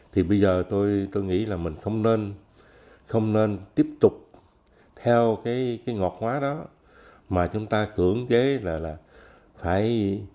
thì bây giờ tôi nghĩ là mình không nên không nên tiếp tục theo cái ngọt hóa đó mà chúng ta cưỡng chế là phải